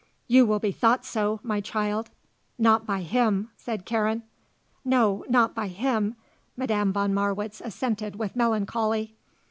"You will be thought so, my child." "Not by him," said Karen. "No; not by him," Madame von Marwitz assented with melancholy.